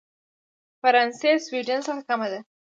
فرانسې سوېډن څخه کمه ده.